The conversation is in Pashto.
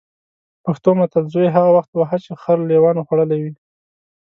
پښتو متل: زوی هغه وخت وهه چې خر لېوانو خوړلی وي.